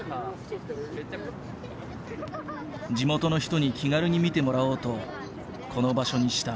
地元の人に気軽に見てもらおうとこの場所にした。